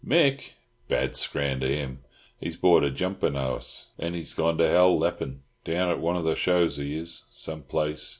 "Mick, bad scran to him! He's bought a jumpin' haarse (horse), and he's gone to hell leppin! Down at one of the shows he is, some place.